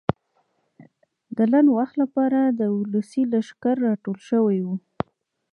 د لنډ وخت لپاره د ولسي لښکر راټولول شو وو.